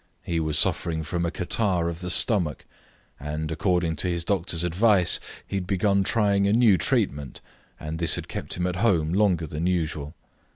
He was suffering from a catarrh of the stomach, and, according to his doctor's advice, he had begun trying a new treatment, and this had kept him at home longer than usual.